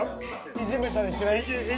いじめたりしない？